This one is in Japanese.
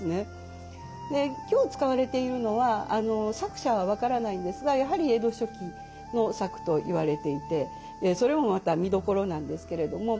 で今日使われているのは作者は分からないんですがやはり江戸初期の作と言われていてそれもまた見どころなんですけれども。